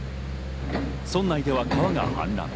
村内では川が氾濫。